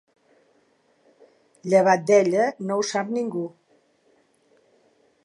Llevat d'ella, no ho sap ningú.